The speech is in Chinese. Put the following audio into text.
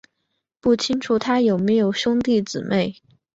不清楚他有没有兄弟姊妹。